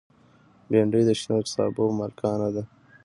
بېنډۍ د شنو سابو ملکانه ده